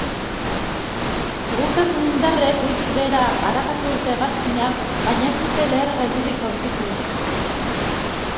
Segurtasun indarrek goitik behera arakatu dute hegazkina baina ez dute lehergailurik aurkitu.